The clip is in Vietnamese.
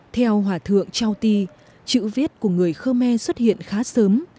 theo hòa thượng trao ti chữ viết của người khơ me xuất hiện khá sớm